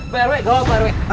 pak rw jawab pak rw